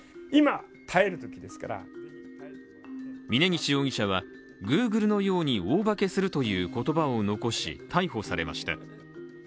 峯岸容疑者は、Ｇｏｏｇｌｅのように大化けするという言葉を残し、逮捕されました。